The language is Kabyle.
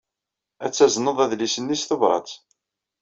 Ad tazneḍ adlis-nni s tebṛat.